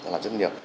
làm chất nghiệp